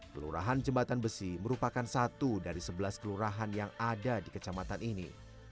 kelurahan jembatan besi merupakan satu dari sebelas kelurahan yang ada di kecamatan ini